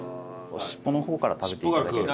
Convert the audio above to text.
尻尾の方から食べて頂ければ。